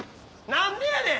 何でやねん！